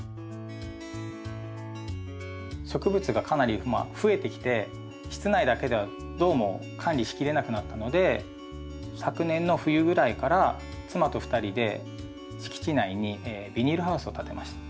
植物がかなり増えてきて室内だけではどうも管理しきれなくなったので昨年の冬ぐらいから妻と２人で敷地内にビニールハウスを建てました。